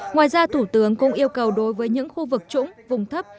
ngoài ra thủ tướng cũng yêu cầu đối với những khu vực trũng vùng thấp